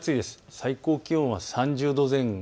最高気温は３０度前後。